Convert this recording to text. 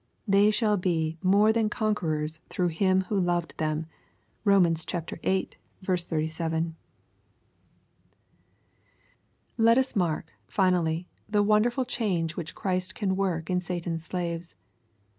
They shall be "more than con querors" through Him who loved them. (Rom. viii 37.) 270 EXPOSITORY THOUGHTS. Let U8 mark, finally, the wonderful change which Christ can work in Satan^s slaves.